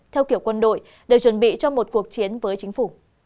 theo kiểu quân đội để chuẩn bị cho một cuộc chiến với chính phủ